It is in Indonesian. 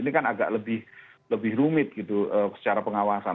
ini kan agak lebih rumit gitu secara pengawasan